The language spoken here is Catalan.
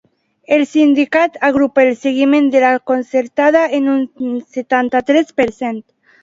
El sindicat agrupa el seguiment de la concertada en un setanta-tres per cent.